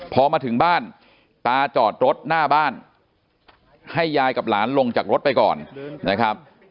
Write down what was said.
พอมาถึงบ้านตาจอดรถหน้าบ้านให้ยายกับหลานลงจากรถไปก่อนนะครับ